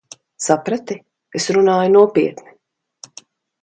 Saprati? Es runāju nopietni.